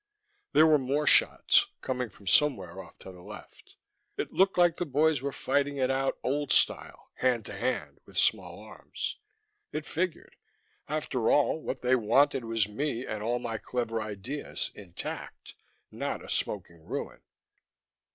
There were more shots, coming from somewhere off to the left. It looked like the boys were fighting it out old style: hand to hand, with small arms. It figured; after all, what they wanted was me and all my clever ideas intact, not a smoking ruin.